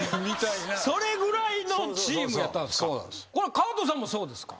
川藤さんもそうですか？